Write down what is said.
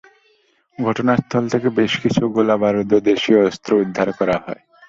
ঘটনাস্থল থেকে বেশ কিছু গোলাবারুদ ও দেশীয় অস্ত্র উদ্ধার করা হয়।